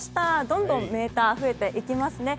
どんどんメーター増えていきますね。